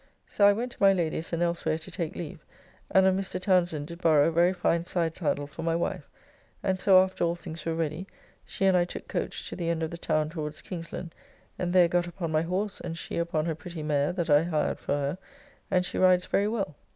So I went to my Lady's and elsewhere to take leave, and of Mr. Townsend did borrow a very fine side saddle for my wife; and so after all things were ready, she and I took coach to the end of the town towards Kingsland, and there got upon my horse and she upon her pretty mare that I hired for her, and she rides very well.